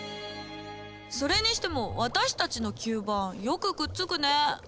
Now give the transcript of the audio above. それにしても私たちの吸盤よくくっつくね！